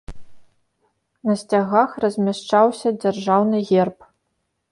На сцягах размяшчаўся дзяржаўны герб.